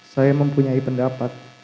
saya mempunyai pendapat